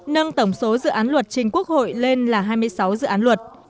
nâng tổng số dự án luật trình quốc hội lên là hai mươi sáu dự án luật